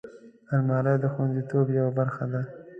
الماري د خوندیتوب یوه برخه ده